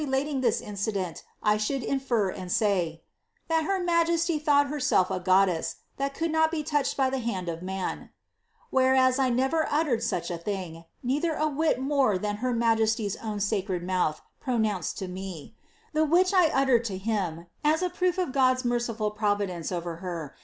latin^ this incident, 1 sboiili] infer and say, ' that lier majestj' tlia Ijerseir a goddeea, ihal coultl not be lunched by the hani) oT n whereas 1 never uttered sucii a thing, neither a whii more than hei jesiy's own sacred mouth pronirunced to me; the which I uit«n him as a proof of God's raeiciful providence over her.